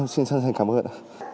xin chân thành cảm ơn